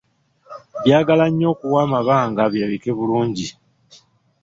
Byagala nnyo okuwa amabanga birabike bulungi.